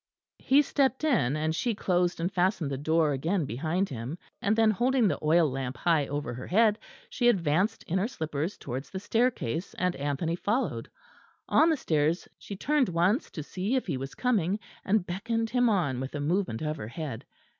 He stepped in, and she closed and fastened the door again behind him; and then, holding the oil lamp high over her head, she advanced in her slippers towards the staircase, and Anthony followed. On the stairs she turned once to see if he was coming, and beckoned him on with a movement of her head.